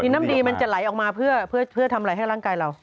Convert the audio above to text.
น้ำดีมันจะไหลออกมาเพื่อทำอะไรให้ร่างกายเรา